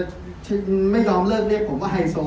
ก็ถ้าเกิดว่าทุกคนจะไม่ยอมเลิกเรียกผมว่าไฮโซ